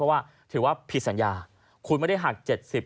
เพราะว่าถือว่าผิดสัญญาคุณไม่ได้หัก๗๐